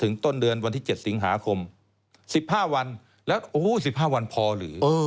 ต้นเดือนวันที่๗สิงหาคม๑๕วันแล้วโอ้โห๑๕วันพอหรือ